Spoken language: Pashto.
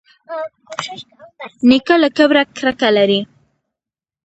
نیکه له کبره کرکه لري.